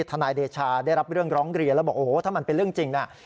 นายเดชาได้รับเรื่องร้องเรียนแล้วบอกโอ้โหถ้ามันเป็นเรื่องจริงน่ะ